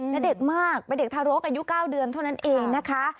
และเด็กมากเป็นเด็กทารกอายุ๙เดือนเท่านั้นเองนะคะ